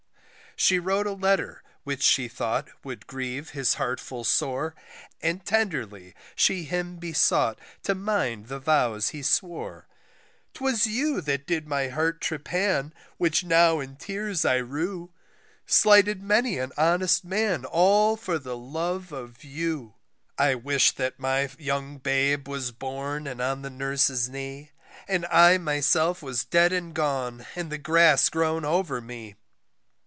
She wrote a letter which she thought would grieve his heart full sore, And tenderly she him besought, to mind the vows he swore, T'was you that did my heart trepan, which now in tears I rue Slighted many an honest man all for the love of you. I wish that my young babe was born and on the nurse's knee, And I myself was dead and gone and the grass grown over me.